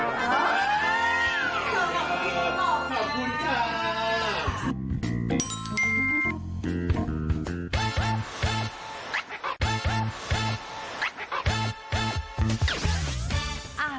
ขอบคุณค่ะ